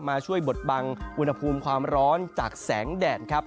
มาช่วยบดบังอุณหภูมิความร้อนจากแสงแดดครับ